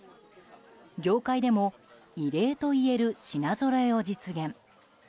業界でも異例といえる品ぞろえを実現。